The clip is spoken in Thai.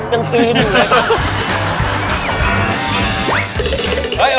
ตึงปีนเลย